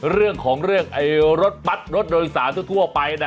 เรื่องของเรื่องรถบัตรรถโดยสารทั่วไปนะ